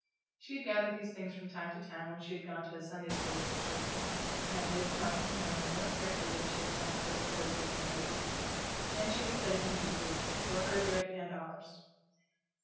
She had gathered these things from time to time when she had gone to the Sunday school with the children, and had laid them up in her memory more carefully than she had done with those other words and phrases; and she had studied them deeply, for her good and ours.